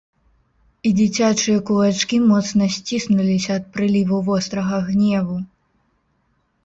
І дзіцячыя кулачкі моцна сціснуліся ад прыліву вострага гневу.